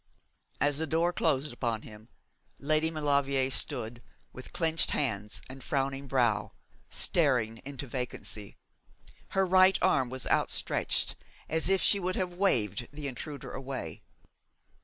As the door closed upon him, Lady Maulevrier stood, with clenched hands and frowning brow, staring into vacancy. Her right arm was outstretched, as if she would have waved the intruder away.